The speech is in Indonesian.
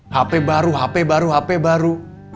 hp baru hp baru hp baru